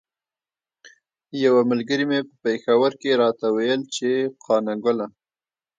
یوه ملګري مې په پیښور کې راته ویل چې قانه ګله.